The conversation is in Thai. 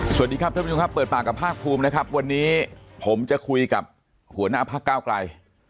สวัสดีครับท๑๑๒ครับเปิดปากกับภาครัพท์ภูมินะครับวันนี้ผมจะคุยกับหัวหน้าภาคก้าวไกร